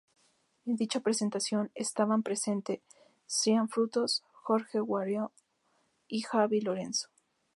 En dicha presentación estaban presente Sean Frutos, Jorge Guirao y Javi Lorenzo.